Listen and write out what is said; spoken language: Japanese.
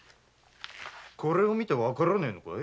これを見てわからねぇのかい？